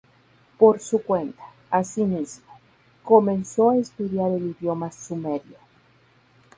Por su cuenta, asimismo, comenzó a estudiar el idioma sumerio.